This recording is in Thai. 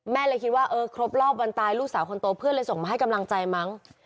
เลยคิดว่าเออครบรอบวันตายลูกสาวคนโตเพื่อนเลยส่งมาให้กำลังใจมั้ง